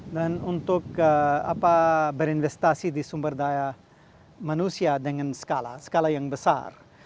dan untuk berinvestasi di sumber daya manusia dengan skala skala yang besar